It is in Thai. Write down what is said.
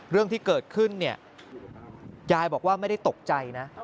เรื่องที่เกิดขึ้นเนี่ยยายบอกว่าไม่ได้ตกใจนะ